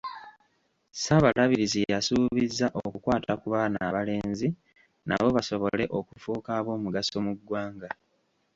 Ssaabalabirizi yasuubizza okukwata ku baana abalenzi nabo basobole okufuuka ab’omugaso mu ggwanga.